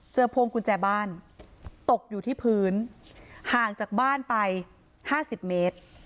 พวงกุญแจบ้านตกอยู่ที่พื้นห่างจากบ้านไป๕๐เมตร